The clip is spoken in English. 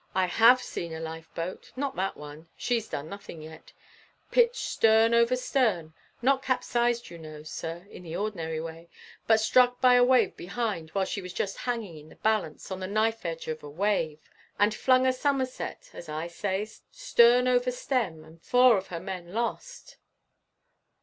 I have seen a life boat not that one she's done nothing yet pitched stern over stem; not capsized, you know, sir, in the ordinary way, but struck by a wave behind while she was just hanging in the balance on the knife edge of a wave, and flung a somerset, as I say, stern over stem, and four of her men lost."